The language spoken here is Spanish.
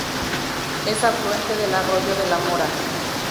Es afluente del arroyo de La Mora.